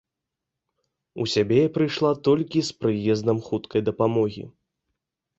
У сябе я прыйшла толькі з прыездам хуткай дапамогі.